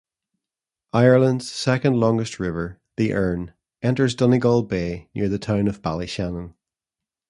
Ireland's second longest river, the Erne, enters Donegal Bay near the town of Ballyshannon.